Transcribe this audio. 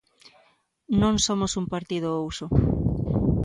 Non somos un partido ao uso.